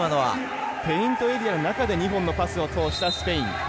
ペイントエリアの中で２本のパスを通したスペイン。